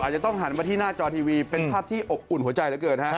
จะต้องหันมาที่หน้าจอทีวีเป็นภาพที่อบอุ่นหัวใจเหลือเกินฮะ